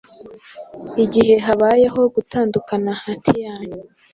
igihe habayeho gutandukana hati yanyu